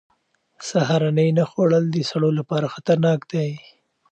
سهارنۍ نه خوړل د سړو لپاره خطرناک دي.